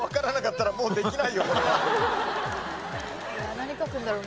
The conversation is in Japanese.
何書くんだろう？